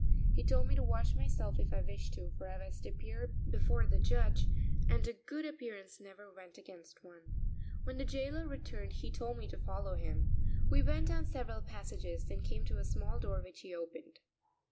He told me to wash myself if I wished to, for I was to appear before the judge, and a good appearance never went against one. When the jailer returned he told me to follow him. We went down several passages, then came to a small door which he opened.